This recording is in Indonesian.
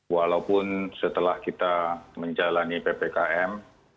walaupun setelah kita menjalani ppkm